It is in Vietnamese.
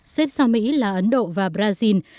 xếp sau mỹ là ấn độ và brazil